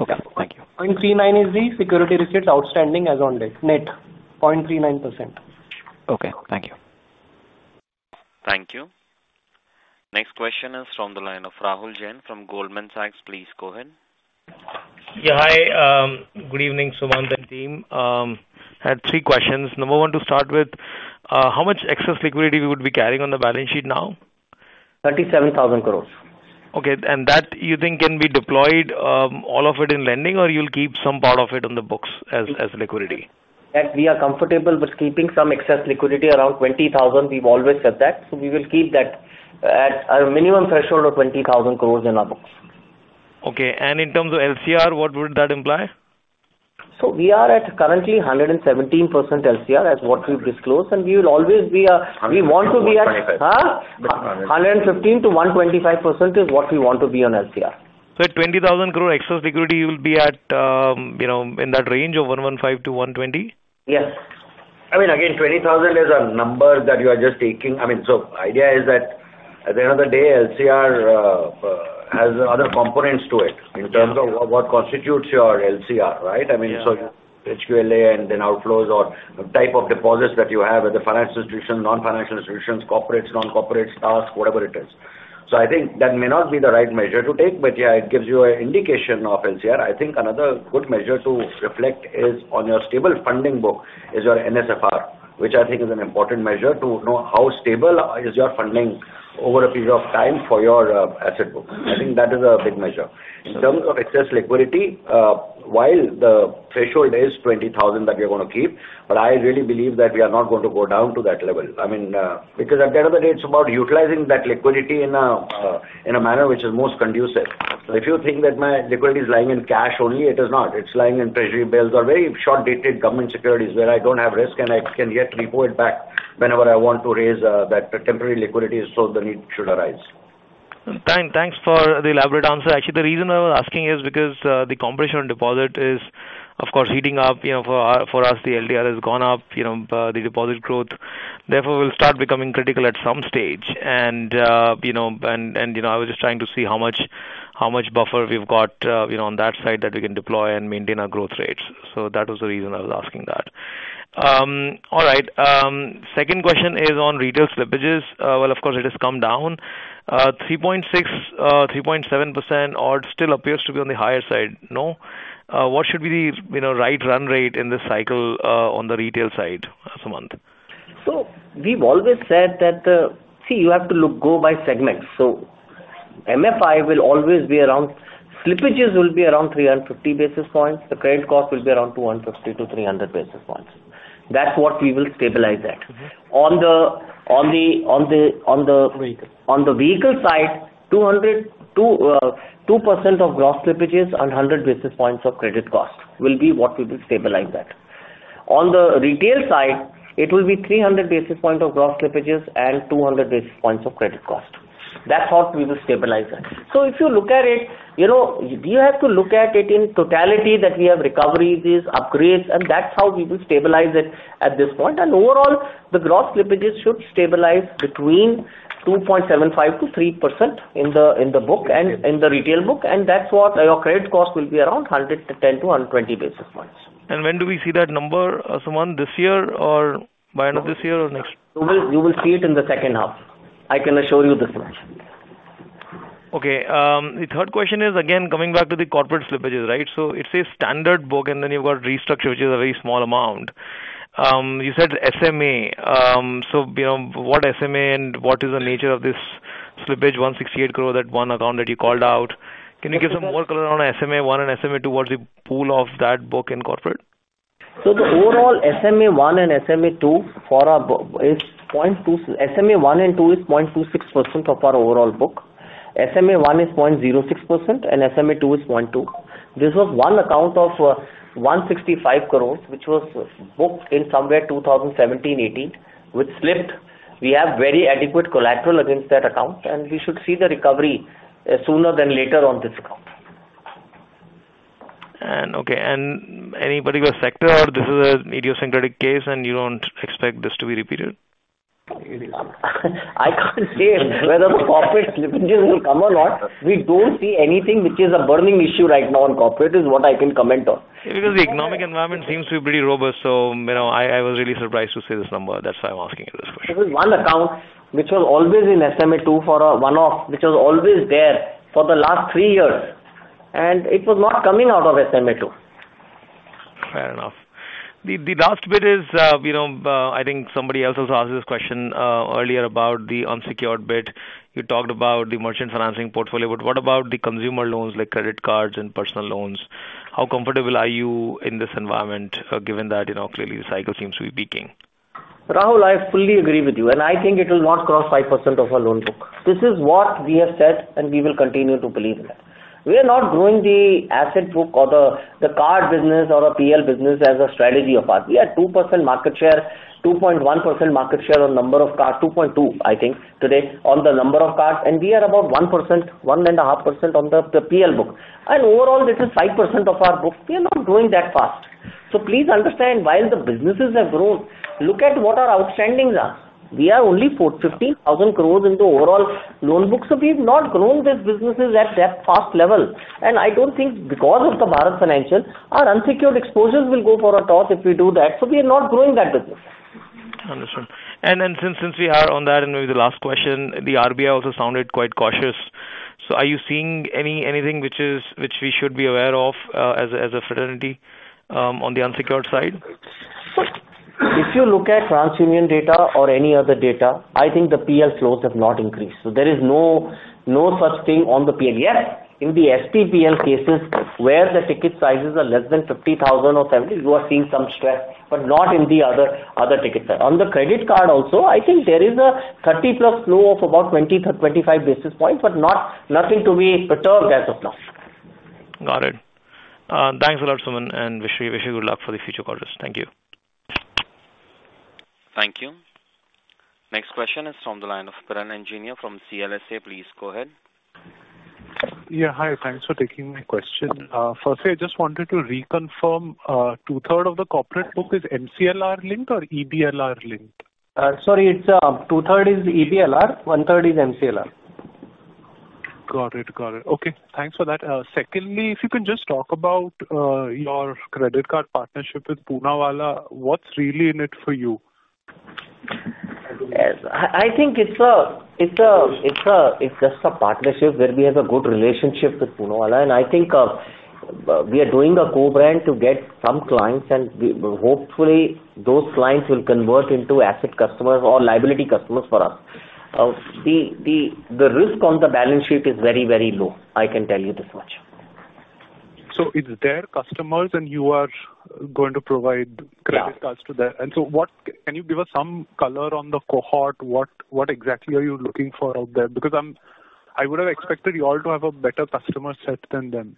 crores. Okay, thank you. 0.39% is the security receipt outstanding as on date, net, 0.39%. Okay, thank you. Thank you. Next question is from the line of Rahul Jain from Goldman Sachs. Please go ahead. Yeah, hi. Good evening, Sumant and team. I had three questions. Number one, to start with, how much excess liquidity we would be carrying on the balance sheet now? 37,000 crore. Okay, and that you think can be deployed, all of it in lending, or you'll keep some part of it on the books as, as liquidity? That we are comfortable with keeping some excess liquidity around 20,000 crore. We've always said that, so we will keep that at a minimum threshold of 20,000 crore in our books. Okay, and in terms of LCR, what would that imply? We are currently at 117% LCR as what we've disclosed, and we will always be. 115-125. We want to be at 115%-125% is what we want to be on LCR. So at 20,000 crore excess liquidity, you will be at, you know, in that range of 115-120? Yes. I mean, again, 20,000 is a number that you are just taking. I mean, so idea is that at the end of the day, LCR has other components to it in terms of what constitutes your LCR, right? Yeah. I mean, so HQLA and then outflows or type of deposits that you have at the financial institution, non-financial institutions, corporates, non-corporates, tasks, whatever it is. So I think that may not be the right measure to take, but, yeah, it gives you an indication of LCR. I think another good measure to reflect is on your stable funding book is your NSFR, which I think is an important measure to know how stable is your funding over a period of time for your asset book. I think that is a big measure. In terms of excess liquidity, while the threshold is 20,000 that we're going to keep, but I really believe that we are not going to go down to that level. I mean, because at the end of the day, it's about utilizing that liquidity in a manner which is most conducive. So if you think that my liquidity is lying in cash only, it is not. It's lying in treasury bills or very short-dated government securities where I don't have risk, and I can yet repo it back whenever I want to raise that temporary liquidity so the need should arise. Thanks, thanks for the elaborate answer. Actually, the reason I was asking is because the compression on deposit is, of course, heating up. You know, for us, the LDR has gone up, you know, the deposit growth. Therefore, we'll start becoming critical at some stage and, you know, and, you know, I was just trying to see how much, how much buffer we've got, you know, on that side that we can deploy and maintain our growth rates. So that was the reason I was asking that. All right, second question is on retail slippages. Well, of course, it has come down. 3.6, 3.7% odd still appears to be on the higher side, no? What should be the, you know, right run rate in this cycle, you know, on the retail side, Sumant? So we've always said that. See, you have to look, go by segment. So MFI will always be around, slippages will be around 350 basis points. The credit cost will be around 250-300 basis points. That's what we will stabilize at. Mm-hmm. On the- Vehicle. On the vehicle side, 200, 2% of gross slippages and 100 basis points of credit cost will be what we will stabilize at. On the retail side, it will be 300 basis point of gross slippages and 200 basis points of credit cost. That's what we will stabilize at. So if you look at it, you know, you have to look at it in totality, that we have recoveries, upgrades, and that's how we will stabilize it at this point. And overall, the gross slippages should stabilize between 2.75%-3% in the, in the book and in the retail book, and that's what our credit cost will be, around 100 to 110 to 120 basis points. When do we see that number, Sumant, this year or by end of this year or next? You will, you will see it in the second half. I can assure you this much. Okay, the third question is again coming back to the corporate slippages, right? So it's a standard book, and then you've got restructure, which is a very small amount. You said SMA, so, you know, what SMA and what is the nature of this slippage, 168 crore, that one account that you called out? Can you give some more color on SMA-1 and SMA two, what's the pool of that book in corporate? The overall SMA-1 and SMA-2 for our book is 0.2. SMA-1 and two is 0.26% of our overall book. SMA-1 is 0.06% and SMA two is 0.2. This was one account of 165 crore, which was booked in somewhere 2017, 2018, which slipped. We have very adequate collateral against that account, and we should see the recovery, sooner than later on this account. Okay, and any particular sector or this is an idiosyncratic case and you don't expect this to be repeated? I can't say whether the corporate slippages will come or not. We don't see anything which is a burning issue right now on corporate, is what I can comment on. Because the economic environment seems to be pretty robust, so, you know, I was really surprised to see this number. That's why I'm asking you this question. There was one account which was always in SMA-2 for a one-off, which was always there for the last three years, and it was not coming out of SMA-2. Fair enough. The last bit is, you know, I think somebody else has asked this question earlier about the unsecured bit. You talked about the merchant financing portfolio, but what about the consumer loans, like credit cards and personal loans? How comfortable are you in this environment, given that, you know, clearly the cycle seems to be peaking. Rahul, I fully agree with you, and I think it will not cross 5% of our loan book. This is what we have said, and we will continue to believe in that. We are not growing the asset book or the, the card business or the PL business as a strategy of ours. We are 2% market share, 2.1% market share on number of cards, 2.2, I think today, on the number of cards, and we are about 1%, 1.5% on the, the PL book. Overall, this is 5% of our book. We are not growing that fast. So please understand, while the businesses have grown, look at what our outstandings are. We are only fifteen thousand crores into overall loan book, so we have not grown these businesses at that fast level. I don't think because of the Bharat Financial, our unsecured exposures will go for a toss if we do that, so we are not growing that business. Understood. And then since we are on that, and maybe the last question, the RBI also sounded quite cautious. So are you seeing anything which we should be aware of, as a fraternity, on the unsecured side? If you look at TransUnion data or any other data, I think the PL flows have not increased. So there is no, no such thing on the PL. Yes, in the STPL cases, where the ticket sizes are less than 50,000 or 70, you are seeing some stress, but not in the other, other ticket size. On the credit card also, I think there is a 30+ flow of about 20-25 basis points, but not, nothing to be perturbed as of now. Got it. Thanks a lot, Sumant, and wish you good luck for the future quarters. Thank you. Thank you. Next question is from the line of Piran Engineer from CLSA. Please go ahead. Yeah, hi. Thanks for taking my question. Firstly, I just wanted to reconfirm, two-thirds of the corporate book is MCLR linked or EBLR linked? Sorry, it's two-thirds is EBLR, one-third is MCLR. Got it. Got it. Okay, thanks for that. Secondly, if you can just talk about your credit card partnership with Poonawalla. What's really in it for you? Yes. I think it's just a partnership where we have a good relationship with Poonawalla, and I think we are doing a co-brand to get some clients, and hopefully those clients will convert into asset customers or liability customers for us. The risk on the balance sheet is very, very low. I can tell you this much. So it's their customers, and you are going to provide- Yeah. credit cards to them. And so what... Can you give us some color on the cohort? What, what exactly are you looking for out there? Because I'm- I would have expected you all to have a better customer set than them.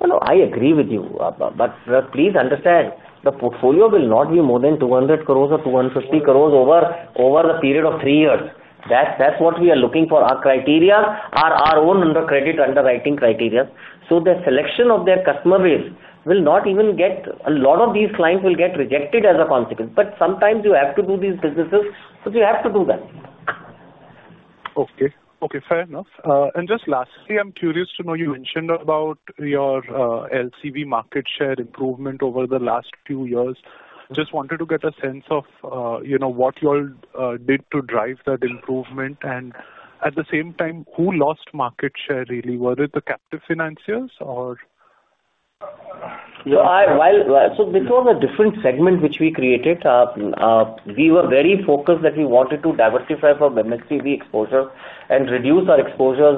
Well, no, I agree with you. But please understand, the portfolio will not be more than 200 crore or 250 crore over the period of 3 years. That, that's what we are looking for. Our criteria are our own under credit underwriting criteria. So the selection of their customer base will not even get... A lot of these clients will get rejected as a consequence. But sometimes you have to do these businesses, so you have to do them. Okay. Okay, fair enough. And just lastly, I'm curious to know, you mentioned about your LCV market share improvement over the last few years. Just wanted to get a sense of, you know, what you all did to drive that improvement, and at the same time, who lost market share really? Was it the captive financiers or? Yeah, well, so this was a different segment which we created. We were very focused that we wanted to diversify from M&HCV exposure and reduce our exposures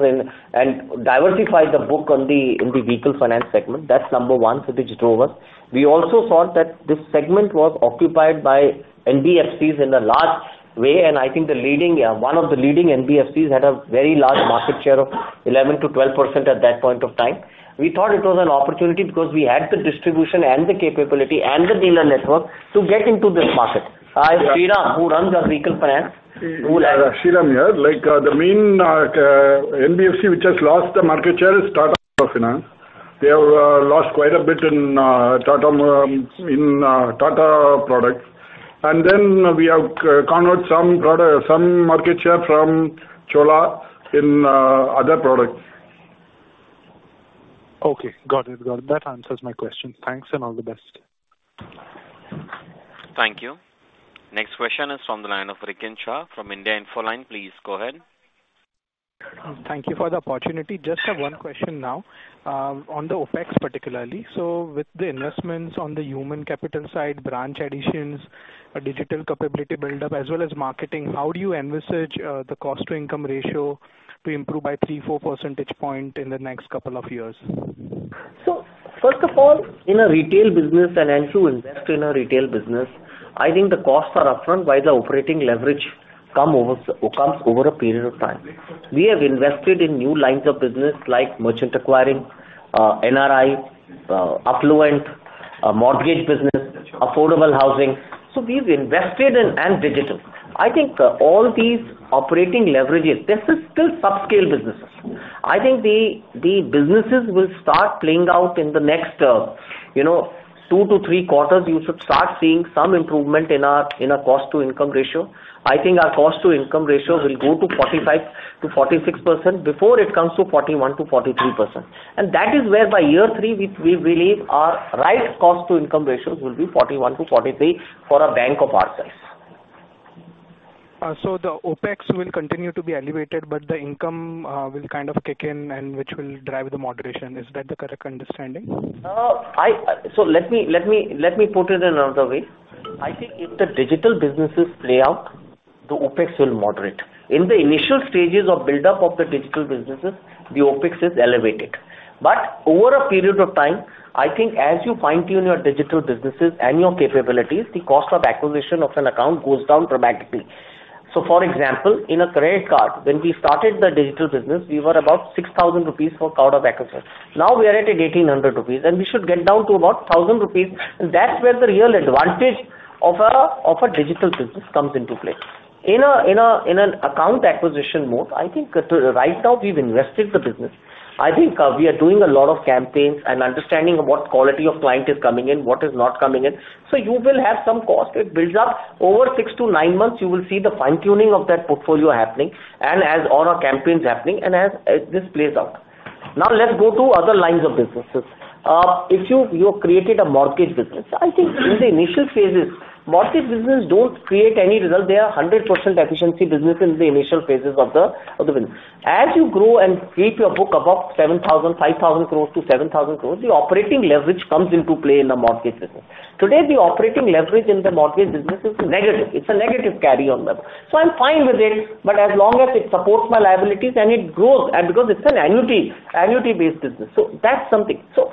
and diversify the book on the, in the vehicle finance segment. That's number one, so which drove us. We also thought that this segment was occupied by NBFCs in a large way, and I think the leading one of the leading NBFCs had a very large market share of 11%-12% at that point of time. We thought it was an opportunity because we had the distribution and the capability and the dealer network to get into this market. Sriram, who runs our vehicle finance, who- Sriram here. Like, the main NBFC which has lost the market share is Tata Motors Finance. They have lost quite a bit in Tata in Tata products. And then we have converted some product, some market share from Chola in other products. Okay. Got it. Got it. That answers my question. Thanks, and all the best. Thank you. Next question is from the line of Rikin Shah from India Infoline. Please go ahead. Thank you for the opportunity. Just have one question now, on the OpEx, particularly. So with the investments on the human capital side, branch additions, digital capability buildup, as well as marketing, how do you envisage, the cost to income ratio to improve by three to four percentage point in the next couple of years? So first of all, in a retail business and to invest in a retail business, I think the costs are upfront while the operating leverage comes over a period of time. We have invested in new lines of business like merchant acquiring, NRI, affluent... a mortgage business, affordable housing. So we've invested in and digital. I think all these operating leverages, this is still subscale businesses. I think the businesses will start playing out in the next, you know, two to three quarters, you should start seeing some improvement in our, in our cost to income ratio. I think our cost to income ratio will go to 45%-46% before it comes to 41%-43%. That is where by year three, we believe our right cost to income ratios will be 41-43 for a bank of our size. So the OpEx will continue to be elevated, but the income will kind of kick in and which will drive the moderation. Is that the correct understanding? So let me put it in another way. I think if the digital businesses play out, the OpEx will moderate. In the initial stages of buildup of the digital businesses, the OpEx is elevated. But over a period of time, I think as you fine-tune your digital businesses and your capabilities, the cost of acquisition of an account goes down dramatically. So for example, in a credit card, when we started the digital business, we were about 6,000 rupees for cost of acquisition. Now we are at 1,800 rupees, and we should get down to about 1,000 rupees, and that's where the real advantage of a digital business comes into play. In an account acquisition mode, I think right now, we've invested the business. I think, we are doing a lot of campaigns and understanding what quality of client is coming in, what is not coming in. So you will have some cost, it builds up. Over 6-9 months, you will see the fine-tuning of that portfolio happening, and as all our campaigns happening, and as this plays out. Now let's go to other lines of businesses. If you, you created a mortgage business, I think in the initial phases, mortgage business don't create any result. They are 100% efficiency business in the initial phases of the, of the business. As you grow and create your book above 7,000, 5,000 crores to 7,000 crores, the operating leverage comes into play in a mortgage business. Today, the operating leverage in the mortgage business is negative. It's a negative carry on level. So I'm fine with it, but as long as it supports my liabilities and it grows, and because it's an annuity, annuity-based business, so that's something. So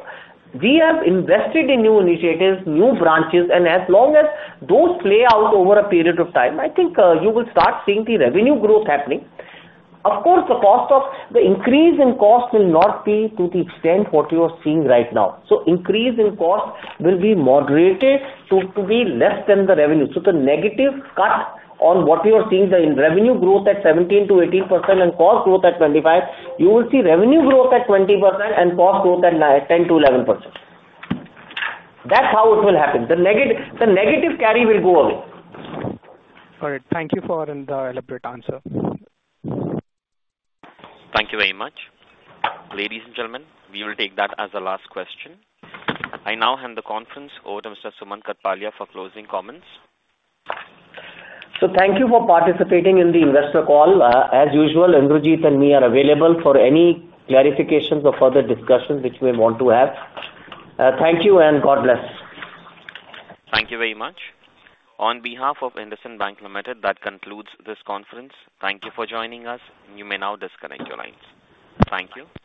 we have invested in new initiatives, new branches, and as long as those play out over a period of time, I think, you will start seeing the revenue growth happening. Of course, the cost... the increase in cost will not be to the extent what you are seeing right now. So increase in cost will be moderated to, to be less than the revenue. So the negative cut on what you are seeing in revenue growth at 17%-18% and cost growth at 25%, you will see revenue growth at 20% and cost growth at 9%-11%. That's how it will happen. The negative, the negative carry will go away. All right. Thank you for the elaborate answer. Thank you very much. Ladies and gentlemen, we will take that as the last question. I now hand the conference over to Mr. Sumant Kathpalia for closing comments. So thank you for participating in the investor call. As usual, Inderjit and me are available for any clarifications or further discussions which we want to have. Thank you and God bless. Thank you very much. On behalf of IndusInd Bank Limited, that concludes this conference. Thank you for joining us. You may now disconnect your lines. Thank you.